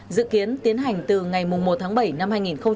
dự kiến tiến hành từ ngày một tháng bảy năm hai nghìn hai mươi